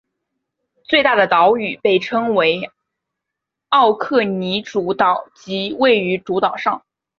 最大的岛被称为奥克尼主岛即位于主岛上。